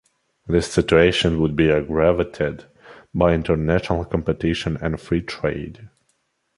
This situation would be aggravated by international competition and free trade.